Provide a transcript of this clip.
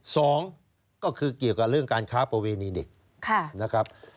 สองก็คือเกี่ยวกับเรื่องการค้าประเวณีเด็กนะครับ